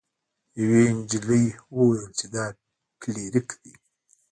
یوې جینۍ وویل چې دا فلیریک دی.